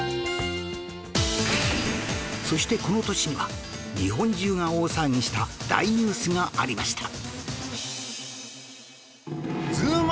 そしてこの年には日本中が大騒ぎした大ニュースがありました